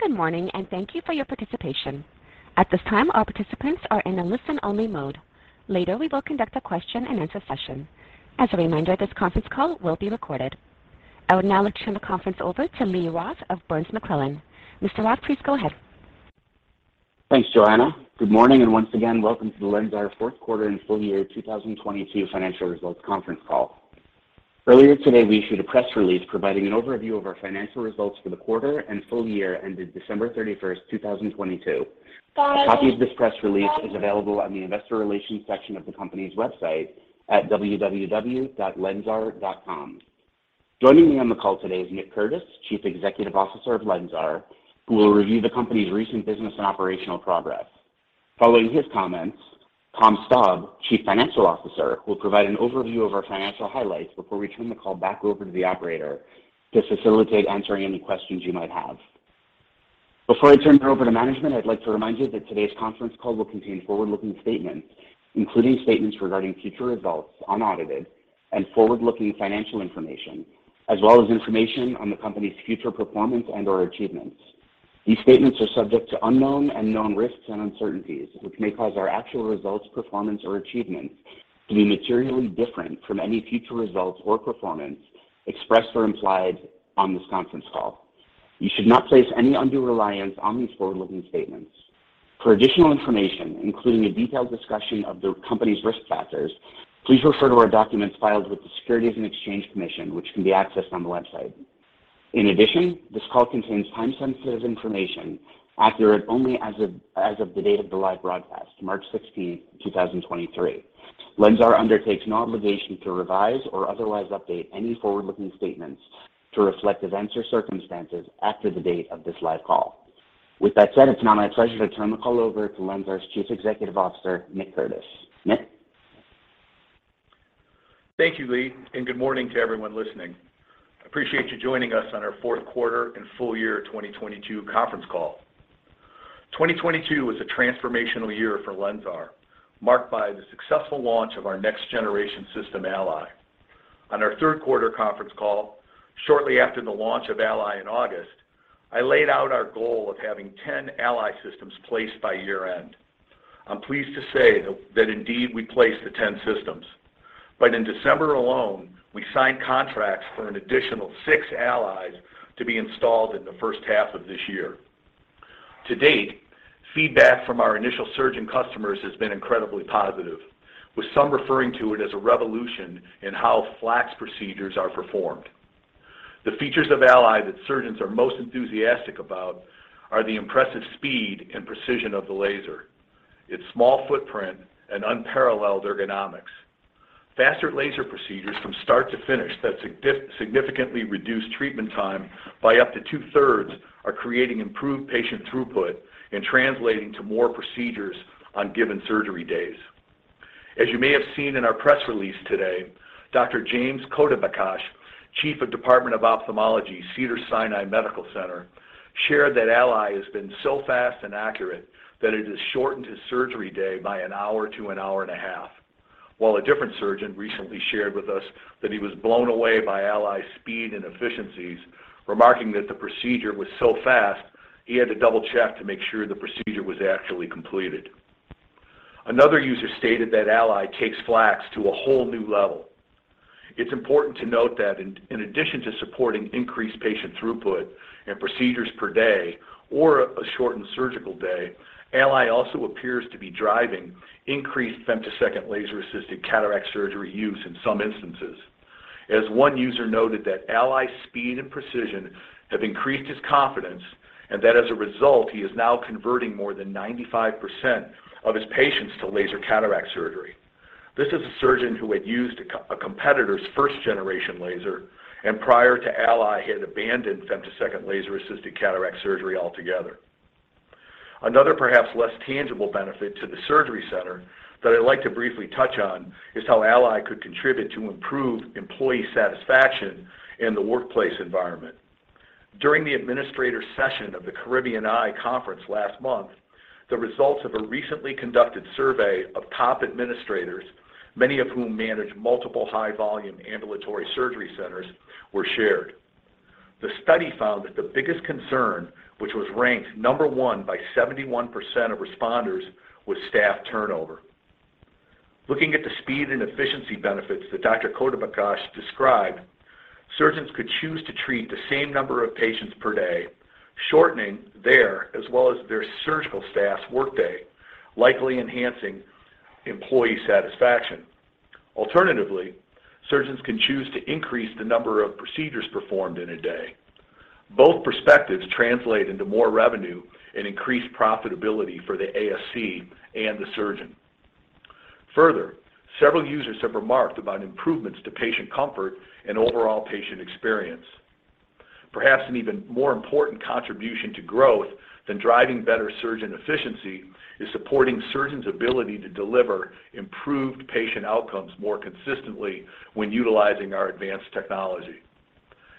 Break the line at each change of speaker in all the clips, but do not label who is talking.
Good morning and thank you for your participation. At this time, our participants are in a listen only mode. Later, we will conduct a question and answer session. As a reminder, this conference call will be recorded. I would now like to turn the conference over to Lee Roth of Burns McClellan. Mr. Roth, please go ahead.
Thanks, Joanna. Good morning, once again, welcome to the LENSAR fourth quarter and full year 2022 financial results conference call. Earlier today, we issued a press release providing an overview of our financial results for the quarter and full year ended December 31st, 2022. A copy of this press release is available on the investor relations section of the company's website at www.lenzar.com. Joining me on the call today is Nick Curtis, Chief Executive Officer of LENSAR, who will review the company's recent business and operational progress. Following his comments, Tom Staab, Chief Financial Officer, will provide an overview of our financial highlights before we turn the call back over to the operator to facilitate answering any questions you might have. Before I turn it over to management, I'd like to remind you that today's conference call will contain forward-looking statements, including statements regarding future results, unaudited and forward-looking financial information, as well as information on the company's future performance and/or achievements. These statements are subject to unknown and known risks and uncertainties, which may cause our actual results, performance, or achievements to be materially different from any future results or performance expressed or implied on this conference call. You should not place any undue reliance on these forward-looking statements. For additional information, including a detailed discussion of the company's risk factors, please refer to our documents filed with the Securities and Exchange Commission, which can be accessed on the website. In addition, this call contains time-sensitive information accurate only as of the date of the live broadcast, March 16th, 2023. LENSAR undertakes no obligation to revise or otherwise update any forward-looking statements to reflect events or circumstances after the date of this live call. With that said, it's now my pleasure to turn the call over to LENSAR's Chief Executive Officer, Nick Curtis. Nick.
Thank you, Lee, and good morning to everyone listening. I appreciate you joining us on our fourth quarter and full year 2022 conference call. 2022 was a transformational year for LENSAR, marked by the successful launch of our next generation System ALLY. On our third quarter conference call, shortly after the launch of ALLY in August, I laid out our goal of having 10 ALLY systems placed by year-end. In December alone, we signed contracts for an additional six ALLYs to be installed in the first half of this year. To date, feedback from our initial surgeon customers has been incredibly positive, with some referring to it as a revolution in how FLACS procedures are performed. The features of ALLY that surgeons are most enthusiastic about are the impressive speed and precision of the laser, its small footprint and unparalleled ergonomics. Faster laser procedures from start to finish that significantly reduce treatment time by up to 2/3 are creating improved patient throughput and translating to more procedures on given surgery days. As you may have seen in our press release today, Dr. James Khodabakhsh, Chief of Department of Ophthalmology, Cedars-Sinai Medical Center, shared that ALLY has been so fast and accurate that it has shortened his surgery day by one hour to 1.5 hours. While a different surgeon recently shared with us that he was blown away by ALLY's speed and efficiencies, remarking that the procedure was so fast he had to double-check to make sure the procedure was actually completed. Another user stated that ALLY takes FLACS to a whole new level. It's important to note that in addition to supporting increased patient throughput and procedures per day or a shortened surgical day, ALLY also appears to be driving increased femtosecond laser-assisted cataract surgery use in some instances. As one user noted that ALLY's speed and precision have increased his confidence and that as a result, he is now converting more than 95% of his patients to laser cataract surgery. This is a surgeon who had used a competitor's first generation laser and prior to ALLY had abandoned femtosecond laser-assisted cataract surgery altogether. Another perhaps less tangible benefit to the surgery center that I'd like to briefly touch on is how ALLY could contribute to improved employee satisfaction in the workplace environment. During the administrator session of the Caribbean Eye Conference last month, the results of a recently conducted survey of top administrators, many of whom manage multiple high-volume ambulatory surgery centers, were shared. The study found that the biggest concern, which was ranked number 1 by 71% of responders, was staff turnover. Looking at the speed and efficiency benefits that Dr. Khodabakhsh described, surgeons could choose to treat the same number of patients per day, shortening their as well as their surgical staff's workday, likely enhancing employee satisfaction. Alternatively, surgeons can choose to increase the number of procedures performed in a day. Both perspectives translate into more revenue and increased profitability for the ASC and the surgeon. Further, several users have remarked about improvements to patient comfort and overall patient experience. Perhaps an even more important contribution to growth than driving better surgeon efficiency is supporting surgeons' ability to deliver improved patient outcomes more consistently when utilizing our advanced technology.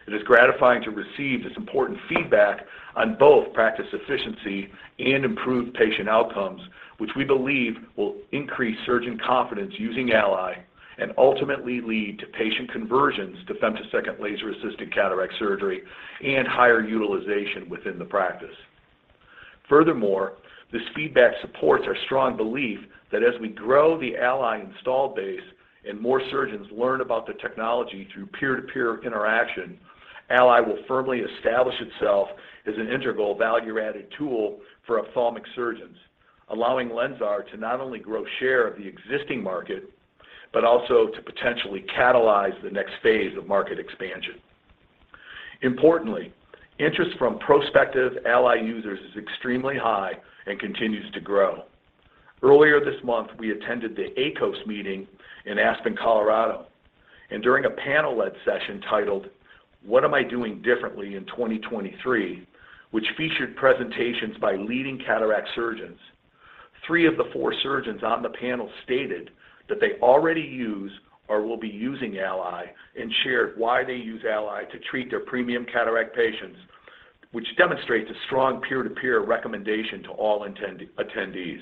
It is gratifying to receive this important feedback on both practice efficiency and improved patient outcomes, which we believe will increase surgeon confidence using ALLY and ultimately lead to patient conversions to femtosecond laser-assisted cataract surgery and higher utilization within the practice. This feedback supports our strong belief that as we grow the ALLY install base and more surgeons learn about the technology through peer-to-peer interaction, ALLY will firmly establish itself as an integral value-added tool for ophthalmic surgeons, allowing LENSAR to not only grow share of the existing market, but also to potentially catalyze the next phase of market expansion. Interest from prospective ALLY users is extremely high and continues to grow. Earlier this month, we attended the AECOS meeting in Aspen, Colorado. During a panel-led session titled What Am I Doing Differently in 2023, which featured presentations by leading cataract surgeons, three of the four surgeons on the panel stated that they already use or will be using ALLY and shared why they use ALLY to treat their premium cataract patients, which demonstrates a strong peer-to-peer recommendation to all attendees.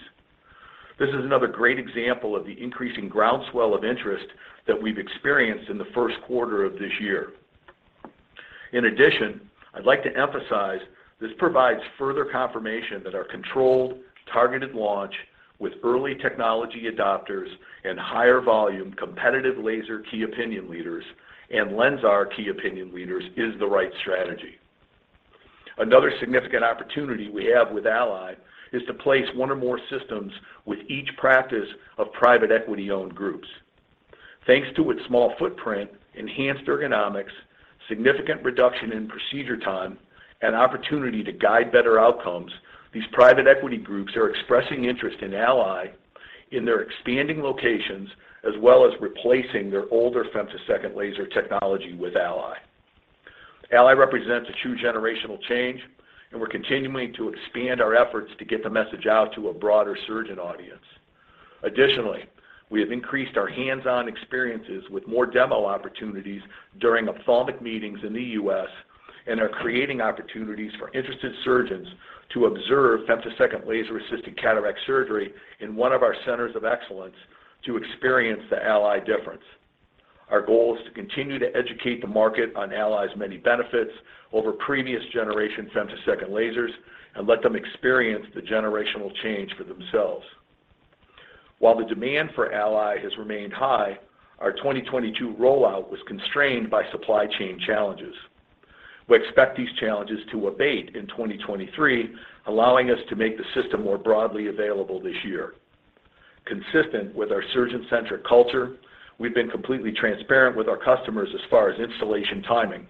This is another great example of the increasing groundswell of interest that we've experienced in the first quarter of this year. In addition, I'd like to emphasize this provides further confirmation that our controlled, targeted launch with early technology adopters and higher volume competitive laser key opinion leaders and LENSAR key opinion leaders is the right strategy. Another significant opportunity we have with ALLY is to place one or more systems with each practice of private equity-owned groups. Thanks to its small footprint, enhanced ergonomics, significant reduction in procedure time, and opportunity to guide better outcomes, these private equity groups are expressing interest in ALLY in their expanding locations, as well as replacing their older femtosecond laser technology with ALLY. ALLY represents a true generational change. We're continuing to expand our efforts to get the message out to a broader surgeon audience. Additionally, we have increased our hands-on experiences with more demo opportunities during ophthalmic meetings in the U.S. and are creating opportunities for interested surgeons to observe femtosecond laser-assisted cataract surgery in one of our centers of excellence to experience the ALLY difference. Our goal is to continue to educate the market on ALLY's many benefits over previous generation femtosecond lasers and let them experience the generational change for themselves. While the demand for ALLY has remained high, our 2022 rollout was constrained by supply chain challenges. We expect these challenges to abate in 2023, allowing us to make the system more broadly available this year. Consistent with our surgeon-centric culture, we've been completely transparent with our customers as far as installation timing.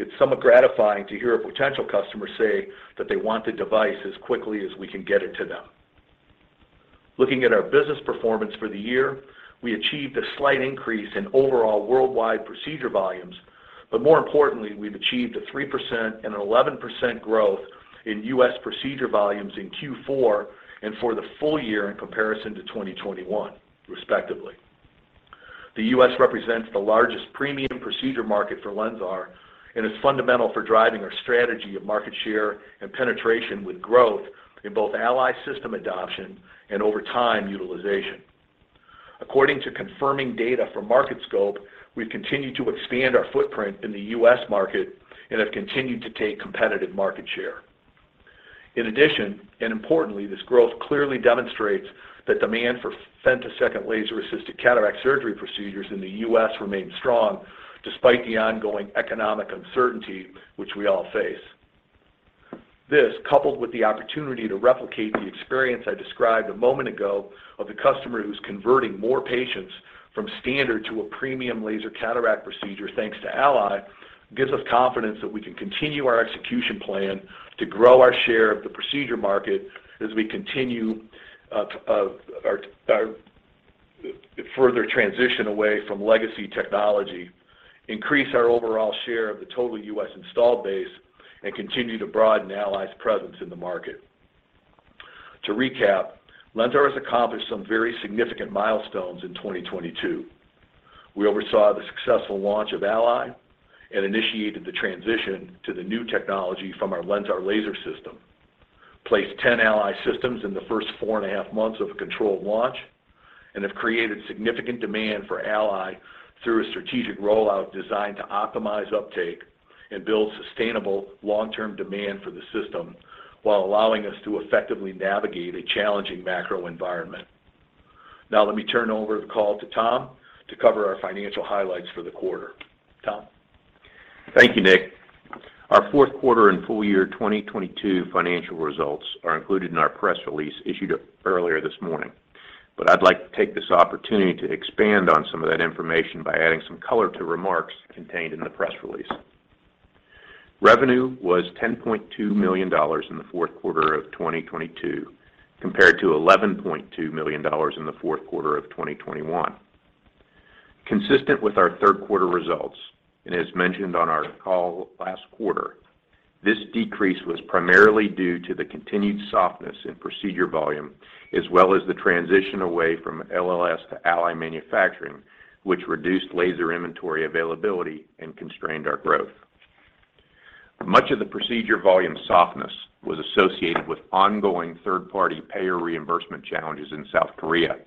It's somewhat gratifying to hear a potential customer say that they want the device as quickly as we can get it to them. Looking at our business performance for the year, we achieved a slight increase in overall worldwide procedure volumes. More importantly, we've achieved a 3% and an 11% growth in U.S. procedure volumes in Q4 and for the full year in comparison to 2021, respectively. The U.S. represents the largest premium procedure market for LENSAR and is fundamental for driving our strategy of market share and penetration with growth in both ALLY system adoption and over time utilization. According to confirming data from Market Scope, we've continued to expand our footprint in the U.S. market and have continued to take competitive market share. In addition, and importantly, this growth clearly demonstrates that demand for femtosecond laser-assisted cataract surgery procedures in the U.S. remains strong despite the ongoing economic uncertainty which we all face. This, coupled with the opportunity to replicate the experience I described a moment ago of the customer who's converting more patients from standard to a premium laser cataract procedure thanks to ALLY, gives us confidence that we can continue our execution plan to grow our share of the procedure market as we continue our further transition away from legacy technology, increase our overall share of the total U.S. installed base, and continue to broaden ALLY's presence in the market. To recap, LENSAR has accomplished some very significant milestones in 2022. We oversaw the successful launch of ALLY and initiated the transition to the new technology from our LENSAR Laser System, placed 10 ALLY systems in the first 4.5 months of a controlled launch, and have created significant demand for ALLY through a strategic rollout designed to optimize uptake and build sustainable long-term demand for the system while allowing us to effectively navigate a challenging macro environment. Let me turn over the call to Tom to cover our financial highlights for the quarter. Tom?
Thank you, Nick. Our fourth quarter and full-year 2022 financial results are included in our press release issued earlier this morning. I'd like to take this opportunity to expand on some of that information by adding some color to remarks contained in the press release. Revenue was $10.2 million in the fourth quarter of 2022, compared to $11.2 million in the fourth quarter of 2021. Consistent with our third quarter results, as mentioned on our call last quarter, this decrease was primarily due to the continued softness in procedure volume as well as the transition away from LLS to ALLY manufacturing, which reduced laser inventory availability and constrained our growth. Much of the procedure volume softness was associated with ongoing third party payer reimbursement challenges in South Korea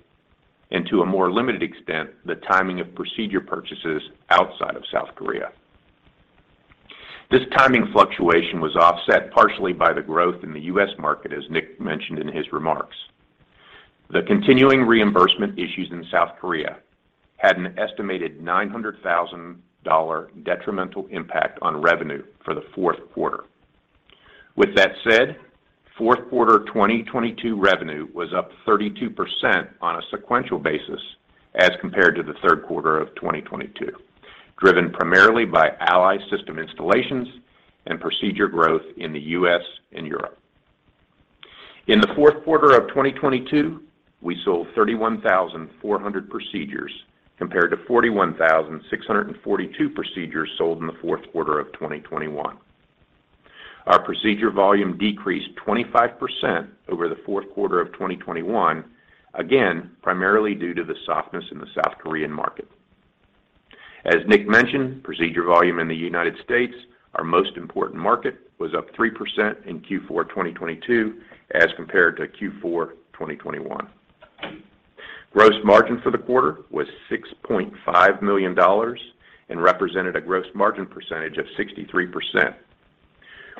and to a more limited extent, the timing of procedure purchases outside of South Korea. This timing fluctuation was offset partially by the growth in the U.S. market as Nick mentioned in his remarks. The continuing reimbursement issues in South Korea had an estimated $900,000 detrimental impact on revenue for the fourth quarter. With that said, fourth quarter 2022 revenue was up 32% on a sequential basis as compared to the third quarter of 2022, driven primarily by ALLY system installations and procedure growth in the U.S. and Europe. In the fourth quarter of 2022, we sold 31,400 procedures compared to 41,642 procedures sold in the fourth quarter of 2021. Our procedure volume decreased 25% over the fourth quarter of 2021, again, primarily due to the softness in the South Korean market. As Nick mentioned, procedure volume in the United States, our most important market, was up 3% in Q4 2022 as compared to Q4 2021. Gross margin for the quarter was $6.5 million and represented a gross margin percentage of 63%.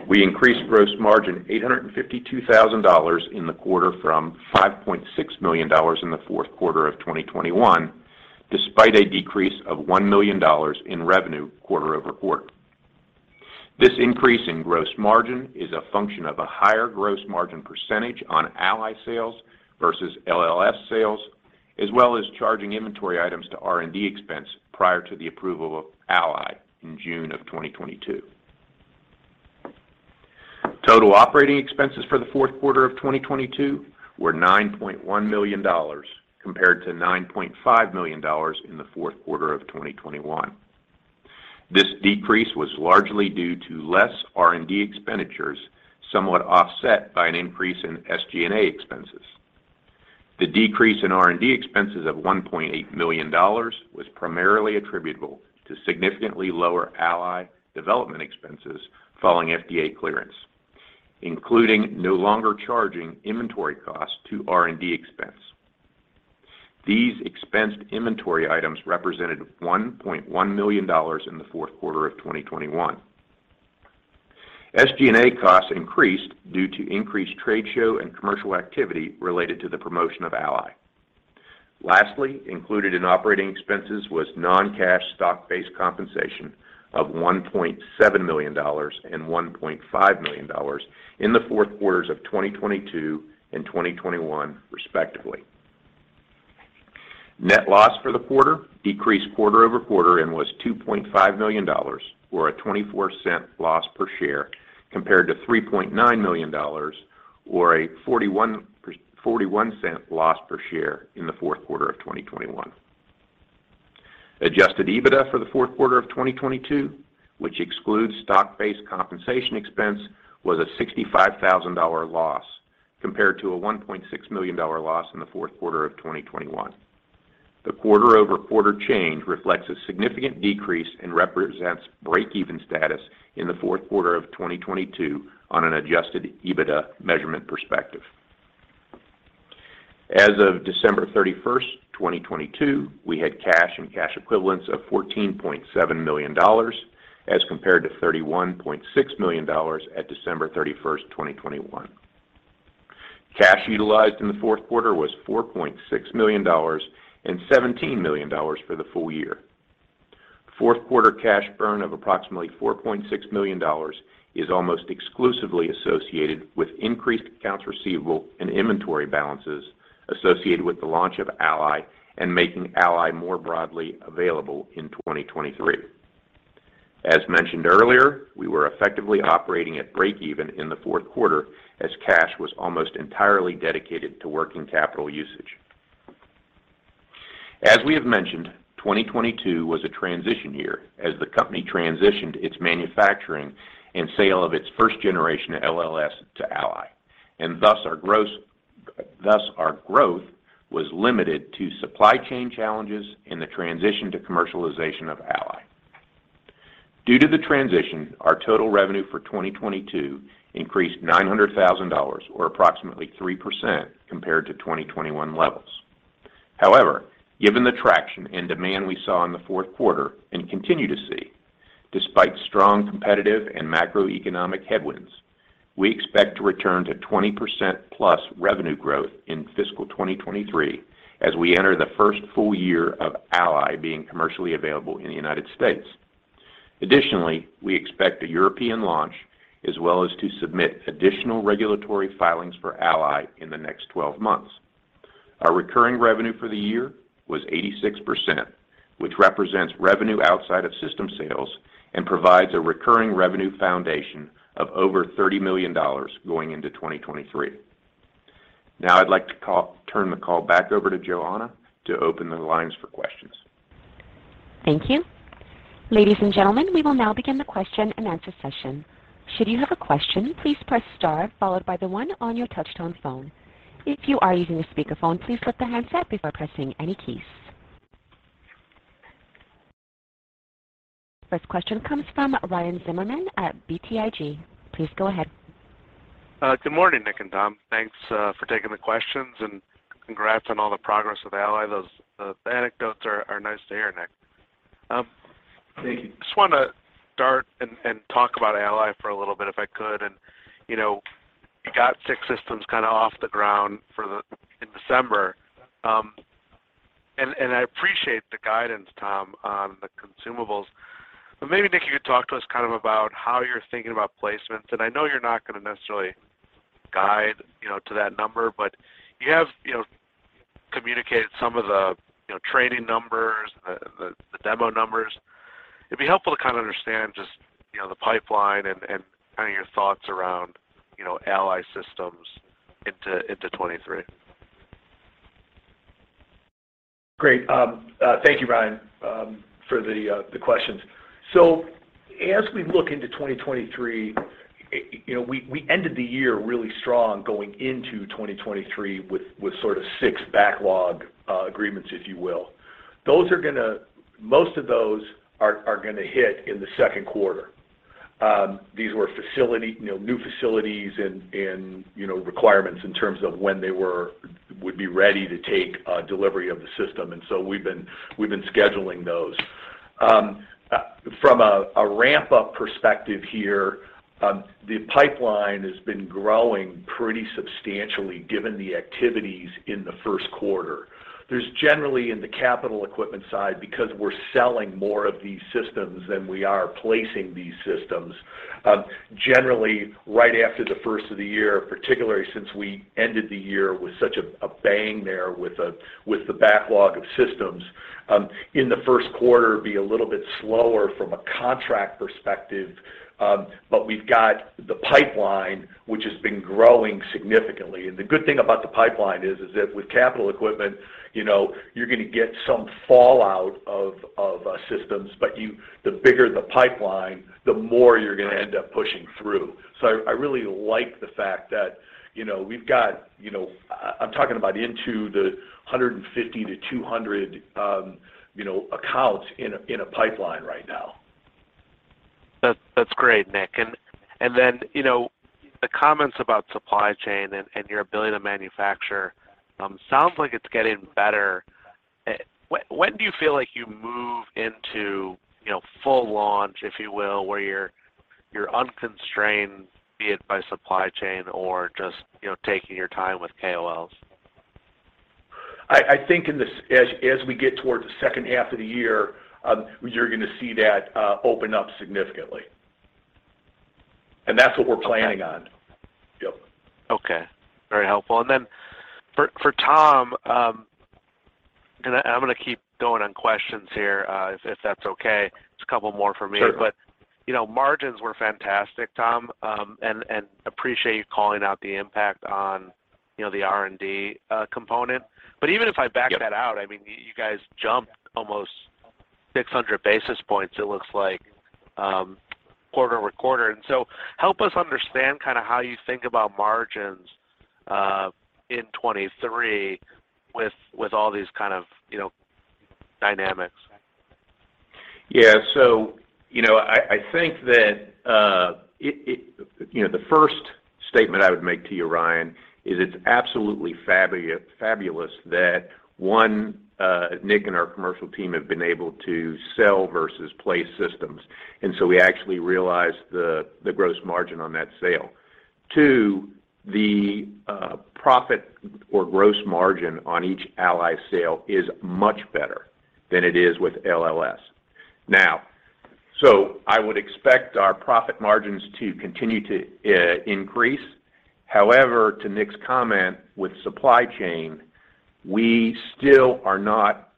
We increased gross margin $852,000 in the quarter from $5.6 million in the fourth quarter of 2021, despite a decrease of $1 million in revenue quarter-over-quarter. This increase in gross margin is a function of a higher gross margin percentage on ALLY sales versus LLS sales, as well as charging inventory items to R&D expense prior to the approval of ALLY in June of 2022. Total operating expenses for the fourth quarter of 2022 were $9.1 million compared to $9.5 million in the fourth quarter of 2021. This decrease was largely due to less R&D expenditures, somewhat offset by an increase in SG&A expenses. The decrease in R&D expenses of $1.8 million was primarily attributable to significantly lower ALLY development expenses following FDA clearance, including no longer charging inventory costs to R&D expense. These expensed inventory items represented $1.1 million in the fourth quarter of 2021. SG&A costs increased due to increased trade show and commercial activity related to the promotion of ALLY. Lastly, included in operating expenses was non-cash stock-based compensation of $1.7 million and $1.5 million in the fourth quarters of 2022 and 2021, respectively. Net loss for the quarter decreased quarter-over-quarter and was $2.5 million or a $0.24 loss per share, compared to $3.9 million or a $0.41 loss per share in the fourth quarter of 2021. Adjusted EBITDA for the fourth quarter of 2022, which excludes stock-based compensation expense, was a $65,000 loss compared to a $1.6 million loss in the fourth quarter of 2021. The quarter-over-quarter change reflects a significant decrease and represents break-even status in the fourth quarter of 2022 on an adjusted EBITDA measurement perspective. As of December 31st, 2022, we had cash and cash equivalents of $14.7 million as compared to $31.6 million at December 31st, 2021. Cash utilized in the fourth quarter was $4.6 million and $17 million for the full year. Fourth quarter cash burn of approximately $4.6 million is almost exclusively associated with increased accounts receivable and inventory balances associated with the launch of ALLY and making ALLY more broadly available in 2023. As mentioned earlier, we were effectively operating at break-even in the fourth quarter as cash was almost entirely dedicated to working capital usage. As we have mentioned, 2022 was a transition year as the company transitioned its manufacturing and sale of its first generation LLS to ALLY, and thus our growth was limited to supply chain challenges in the transition to commercialization of ALLY. Due to the transition, our total revenue for 2022 increased $900,000 or approximately 3% compared to 2021 levels. However, given the traction and demand we saw in the fourth quarter and continue to see despite strong competitive and macroeconomic headwinds, we expect to return to 20%+ revenue growth in fiscal 2023 as we enter the first full year of ALLY being commercially available in the United States. Additionally, we expect a European launch as well as to submit additional regulatory filings for ALLY in the next 12 months. Our recurring revenue for the year was 86%, which represents revenue outside of system sales and provides a recurring revenue foundation of over $30 million going into 2023. I'd like to turn the call back over to Joanna to open the lines for questions.
Thank you. Ladies and gentlemen, we will now begin the question-and-answer session. Should you have a question, please press star followed by the one on your touch-tone phone. If you are using a speakerphone, please lift the handset before pressing any keys. First question comes from Ryan Zimmerman at BTIG. Please go ahead.
Good morning, Nick and Tom. Thanks for taking the questions, and congrats on all the progress with ALLY. The anecdotes are nice to hear, Nick. Just wanna start and talk about ALLY for a little bit, if I could. You know, you got six systems kinda off the ground in December. I appreciate the guidance, Tom, on the consumables. Maybe, Nick, you could talk to us kind of about how you're thinking about placements. I know you're not gonna necessarily guide, you know, to that number, but you have, you know, communicated some of the, you know, training numbers, the demo numbers. It'd be helpful to kinda understand just, you know, the pipeline and kinda your thoughts around, you know, ALLY systems into 2023.
Great. Thank you, Ryan, for the questions. As we look into 2023, you know, we ended the year really strong going into 2023 with sort of six backlog agreements, if you will. Most of those are gonna hit in the second quarter. These were facility, you know, new facilities and, you know, requirements in terms of when they would be ready to take delivery of the system. We've been scheduling those. From a ramp-up perspective here, the pipeline has been growing pretty substantially given the activities in the first quarter. There's generally in the capital equipment side, because we're selling more of these systems than we are placing these systems, generally right after the first of the year, particularly since we ended the year with such a bang there with the backlog of systems, in the first quarter be a little bit slower from a contract perspective. We've got the pipeline, which has been growing significantly. The good thing about the pipeline is that with capital equipment, you know, you're gonna get some fallout of systems, but the bigger the pipeline, the more you're gonna end up pushing through. I really like the fact that, you know, we've got, you know. I'm talking about into the 150-200 accounts in a pipeline right now.
That's great, Nick. Then, you know, the comments about supply chain and your ability to manufacture, sounds like it's getting better. When do you feel like you move into, you know, full launch, if you will, where you're unconstrained, be it by supply chain or just, you know, taking your time with KOLs?
I think as we get towards the second half of the year, you're gonna see that open up significantly. That's what we're planning on. Yep.
Okay. Very helpful. For Tom, I'm gonna keep going on questions here, if that's okay. Just a couple more from me.
Sure.
You know, margins were fantastic, Tom. And appreciate you calling out the impact on, you know, the R&D component. Even if I back that out, I mean, you guys jumped almost 600 basis points, it looks like, quarter-over-quarter. Help us understand kind of how you think about margins in 2023 with all these kind of, you know, dynamics.
You know, I think that, you know, the first statement I would make to you, Ryan, is it's absolutely fabulous that, one, Nick and our commercial team have been able to sell versus place systems, and so we actually realize the gross margin on that sale. Two, the profit or gross margin on each ALLY sale is much better than it is with LLS. I would expect our profit margins to continue to increase. However, to Nick's comment with supply chain, we still are not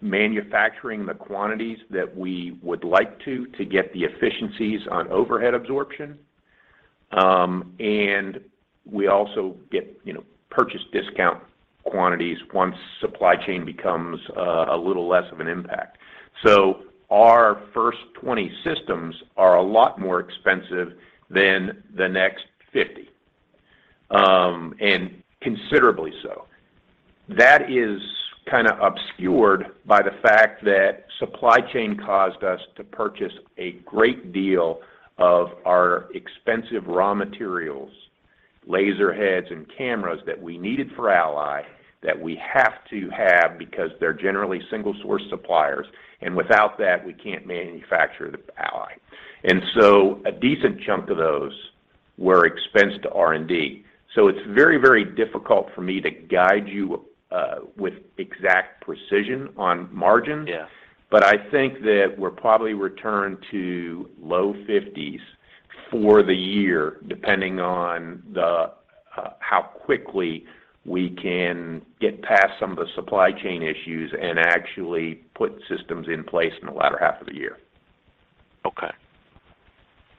manufacturing the quantities that we would like to get the efficiencies on overhead absorption. We also get, you know, purchase discount quantities once supply chain becomes a little less of an impact. Our first 20 systems are a lot more expensive than the next 50, and considerably so. That is kinda obscured by the fact that supply chain caused us to purchase a great deal of our expensive raw materials, laser heads and cameras that we needed for ALLY, that we have to have because they're generally single-source suppliers, and without that, we can't manufacture the ALLY. A decent chunk of those were expensed to R&D. It's very, very difficult for me to guide you with exact precision on margin.
Yes.
I think that we're probably returned to low 50s for the year, depending on the how quickly we can get past some of the supply chain issues and actually put systems in place in the latter half of the year.
Okay.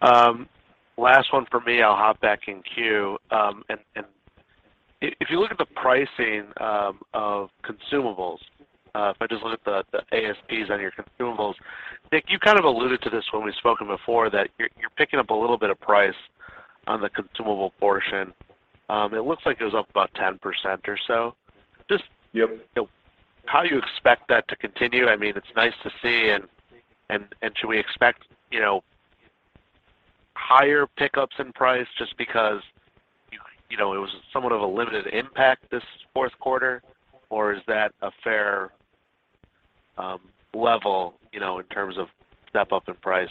Last one for me. I'll hop back in queue. If you look at the pricing of consumables, if I just look at the ASPs on your consumables, Nick, you kind of alluded to this when we've spoken before, that you're picking up a little bit of price on the consumable portion, it looks like it was up about 10% or so.
Yep.
How you expect that to continue? I mean, it's nice to see and should we expect, you know, higher pickups in price just because, you know, it was somewhat of a limited impact this fourth quarter, or is that a fair level, you know, in terms of step up in price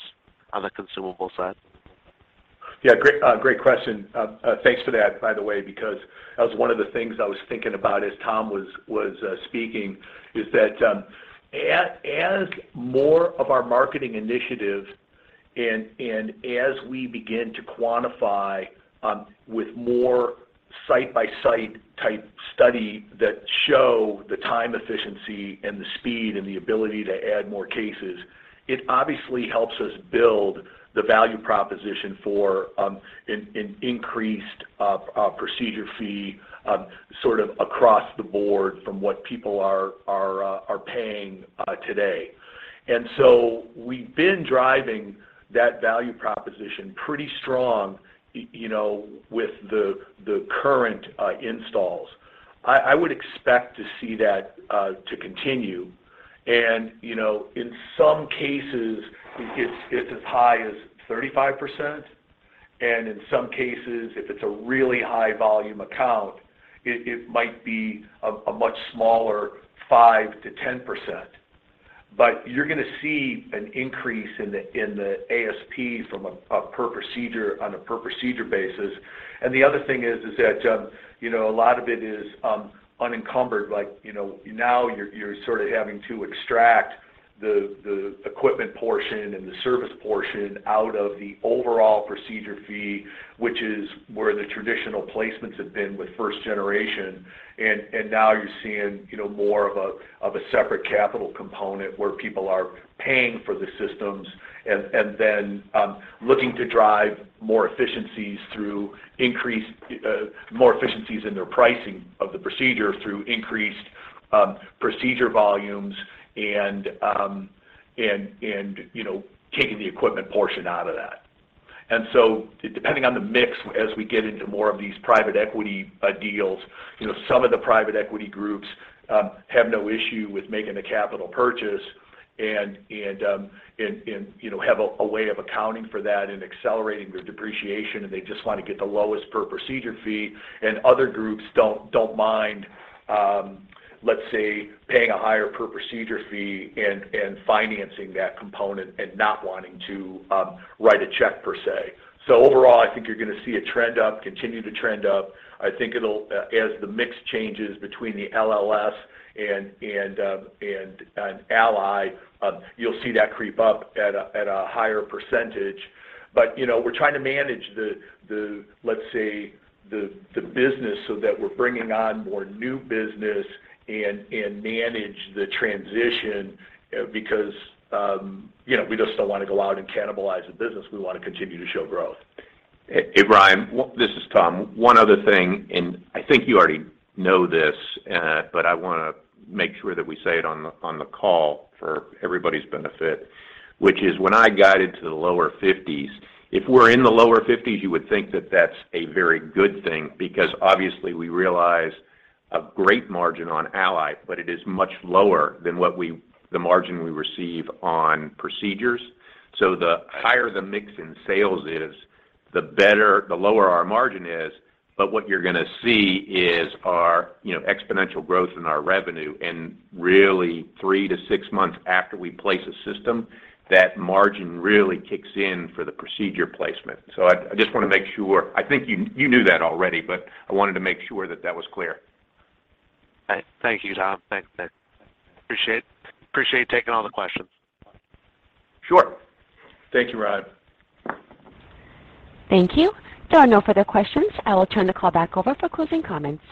on the consumable side?
Yeah. Great, great question. Thanks for that, by the way, because that was one of the things I was thinking about as Tom was speaking, is that as more of our marketing initiatives and as we begin to quantify with more site-by-site type study that show the time efficiency and the speed and the ability to add more cases, it obviously helps us build the value proposition for an increased procedure fee sort of across the board from what people are paying today. We've been driving that value proposition pretty strong, you know, with the current installs. I would expect to see that to continue. You know, in some cases it gets as high as 35%, and in some cases, if it's a really high volume account, it might be a much smaller 5%-10%. You're gonna see an increase in the ASP from a per procedure on a per procedure basis. The other thing is that, you know, a lot of it is unencumbered. Like, you know, now you're sort of having to extract the equipment portion and the service portion out of the overall procedure fee, which is where the traditional placements have been with first generation. Now you're seeing, you know, more of a separate capital component where people are paying for the systems and then looking to drive more efficiencies through increased more efficiencies in their pricing of the procedure through increased procedure volumes and, you know, taking the equipment portion out of that. Depending on the mix as we get into more of these private equity deals, you know, some of the private equity groups have no issue with making the capital purchase and, you know, have a way of accounting for that and accelerating the depreciation, and they just want to get the lowest per procedure fee. Other groups don't mind, let's say, paying a higher per procedure fee and financing that component and not wanting to write a check per se. Overall, I think you're gonna see a trend up, continue to trend up. I think it'll as the mix changes between the LLS and ALLY, you'll see that creep up at a, at a higher percentage. you know, we're trying to manage the, let's say, the business so that we're bringing on more new business and manage the transition, because, you know, we just don't want to go out and cannibalize the business. We wanna continue to show growth.
Hey, Ryan, this is Tom. One other thing, I think you already know this, but I wanna make sure that we say it on the call for everybody's benefit, which is when I guided to the lower 50s, if we're in the lower 50s, you would think that that's a very good thing because obviously we realize a great margin on ALLY, it is much lower than the margin we receive on procedures. The higher the mix in sales is, the lower our margin is. What you're gonna see is our, you know, exponential growth in our revenue and really three to six months after we place a system, that margin really kicks in for the procedure placement. I just wanna make sure. I think you knew that already, but I wanted to make sure that that was clear.
All right. Thank you, Tom. Thanks. Appreciate taking all the questions.
Sure.
Thank you, Ryan.
Thank you. There are no further questions. I will turn the call back over for closing comments.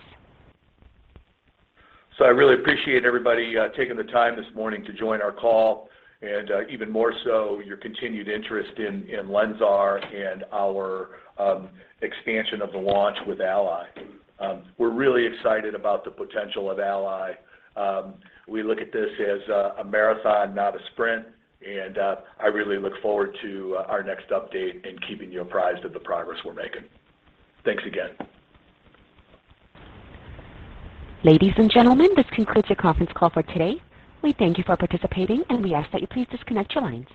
I really appreciate everybody taking the time this morning to join our call, and even more so your continued interest in LENSAR and our expansion of the launch with ALLY. We're really excited about the potential of ALLY. We look at this as a marathon, not a sprint. I really look forward to our next update and keeping you apprised of the progress we're making. Thanks again.
Ladies and gentlemen, this concludes your conference call for today. We thank you for participating, and we ask that you please disconnect your lines.